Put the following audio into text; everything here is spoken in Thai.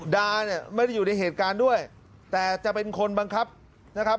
ดาเนี่ยไม่ได้อยู่ในเหตุการณ์ด้วยแต่จะเป็นคนบังคับนะครับ